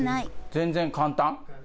全然簡単？